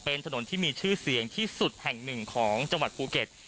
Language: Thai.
เป็นถนนที่มีชื่อเสียงที่สุดแห่งหนึ่งของจังหวัดภูเก็ต